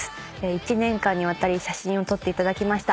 １年間にわたり写真を撮っていただきました。